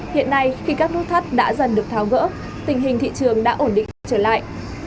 hiện nay khi các nút thắt đã dần được tháo gỡ tình hình thị trường đã ổn định trở lại